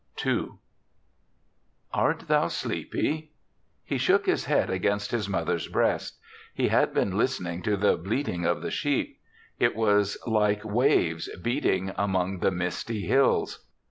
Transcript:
II |RT thou sleepy?" He shook his head ag:amst his mother's breast. He had been listening to the bleating of the sheep ; it was like waves beating among the misty hills.